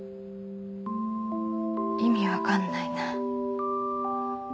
意味分かんないな。